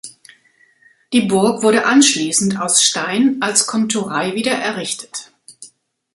Die Burg wurde anschließend aus Stein als Komturei wieder errichtet.